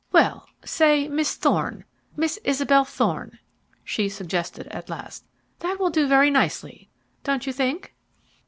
"Well, say Miss Thorne Miss Isabel Thorne," she suggested at last. "That will do very nicely, don't you think?"